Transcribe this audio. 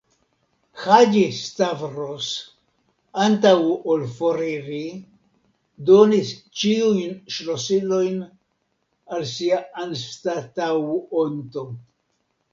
Haĝi-Stavros, antaŭ ol foriri, donis ĉiujn ŝlosilojn al sia anstataŭonto.